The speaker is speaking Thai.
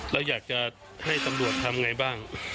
แล้วอยากจะให้ตำรวจทำไงบ้าง